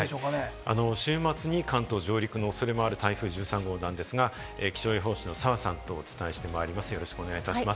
週末に関東上陸の恐れもある台風１３号ですが、気象予報士の澤さんとお伝えしてまいります。